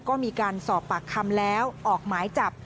ก็มีการสอบปากคำแล้วออกหมายจับ